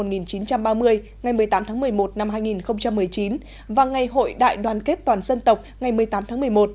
ngày một mươi tám tháng một mươi một năm hai nghìn một mươi chín và ngày hội đại đoàn kết toàn dân tộc ngày một mươi tám tháng một mươi một